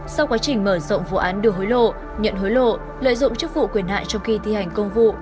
sau quá trình mở rộng vụ án đưa hối lộ nhận hối lộ lợi dụng chức vụ quyền hạn trong khi thi hành công vụ